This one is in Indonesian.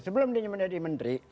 sebelum dia menjadi menteri